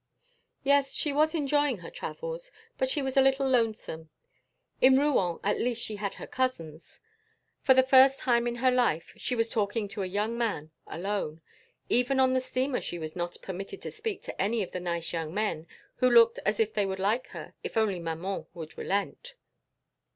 Yes, she was enjoying her travels, but she was a little lonesome; in Rouen at least she had her cousins. For the first time in her life she was talking to a young man alone; even on the steamer she was not permitted to speak to any of the nice young men who looked as if they would like her if only maman would relent.